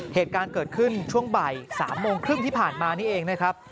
เหตุการณ์เกิดขึ้นช่วงบ่าย๓โมงครึ่งที่ผ่านมานี่เองนะครับ